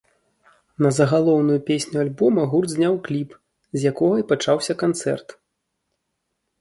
На загалоўную песню альбома гурт зняў кліп, з якога і пачаўся канцэрт.